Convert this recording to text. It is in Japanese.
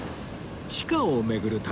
地下を巡る旅